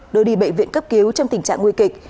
đưa đi bệnh viện cấp cứu trong tình trạng nguy kịch